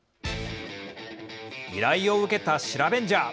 依頼を受けたシラベンジャー。